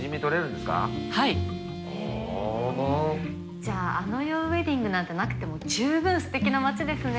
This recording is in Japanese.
じゃああの世ウエディングなんてなくてもじゅうぶんすてきな町ですね。